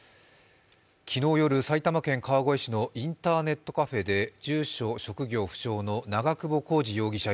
昨日夜、埼玉県川越市のインターネットカフェで住所・職業不詳の長久保浩二容疑者